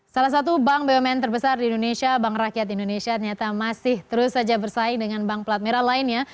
salah satu bank bumn terbesar di indonesia bank rakyat indonesia ternyata masih terus saja bersaing dengan bank plat merah lainnya